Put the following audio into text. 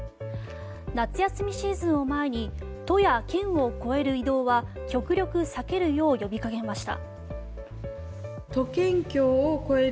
夏休みシーズンを前に都や県を越える移動は極力避けるよう呼びかけました。